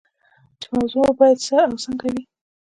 چې موضوع مو باید څه او څنګه وي.